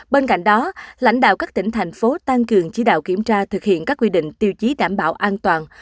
bên cạnh đó lãnh đạo các tỉnh thành phố tăng cường chỉ đạo kiểm tra thực hiện các quy định tiêu chí đảm bảo an toàn